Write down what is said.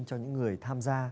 cho những người tham gia